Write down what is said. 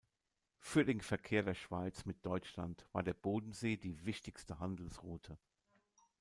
Für den Verkehr der Schweiz mit Deutschland war der Bodensee die wichtigste Handelsroute.